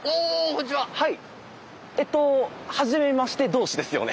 えっとはじめまして同士ですよね？